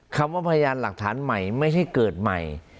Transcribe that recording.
คำว่าพยานหลักฐานใหม่ไม่ใช่เกิดใหม่